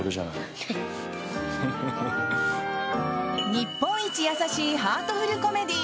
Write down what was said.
日本一優しいハートフルコメディー